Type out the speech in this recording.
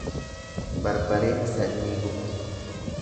Barbareen sanyii gubdi.